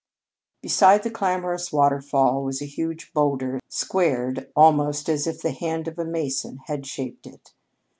Beside the clamorous waterfall was a huge boulder squared almost as if the hand of a mason had shaped it.